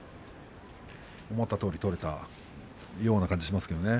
思ったとおり取れたような感じがしますけどね。